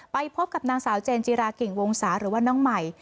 ไปพบกับนางสาวเจนจิรากิ่งวงศาหรือว่าน้องใหม่